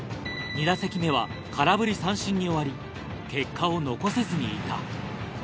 ２打席目は空振り三振に終わり結果を残せずにいた。